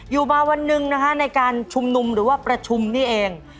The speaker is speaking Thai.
อยู่มาวันหนึ่งนะคะในการชุมนุมหรือว่าประชุมนี่เอง